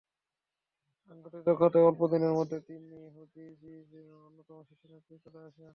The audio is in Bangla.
সাংগঠনিক দক্ষতায় অল্প দিনের মধ্যে তিনি হুজি-বির অন্যতম শীর্ষ নেতৃত্বে চলে আসেন।